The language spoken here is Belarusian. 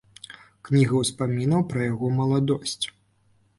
Кніга ўспамінаў пра яго маладосць.